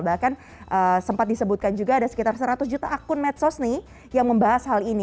bahkan sempat disebutkan juga ada sekitar seratus juta akun medsos nih yang membahas hal ini